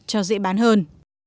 cho dễ bán hơn